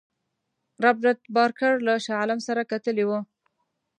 رابرټ بارکر له شاه عالم سره کتلي وه.